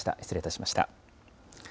失礼いたしました。